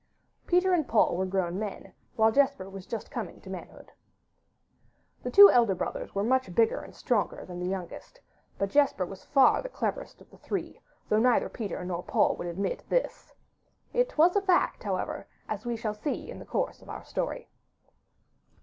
Peter and Paul were grown men, while Jesper was just coming to manhood. The two elder brothers were much bigger and stronger than the youngest, but Jesper was far the cleverest of the three, though neither Peter nor Paul would admit this. It was a fact, however, as we shall see in the course of our story.